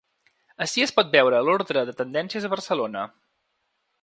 Ací es pot veure l’ordre de tendències a Barcelona.